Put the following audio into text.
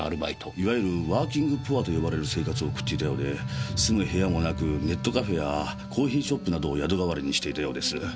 いわゆるワーキングプアと呼ばれる生活を送っていたようで住む部屋もなくネットカフェやコーヒーショップなどを宿代わりにしていたようです。